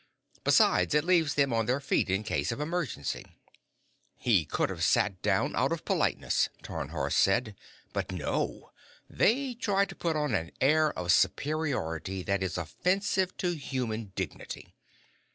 Besides, it leaves them on their feet in case of emergency." "He could have sat down out of politeness," Tarnhorst said. "But no. They try to put on an air of superiority that is offensive to human dignity."